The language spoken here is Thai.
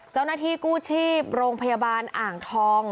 เจ้าหน้าที่กู้ชีพโรงพยาบาลอ่างทอง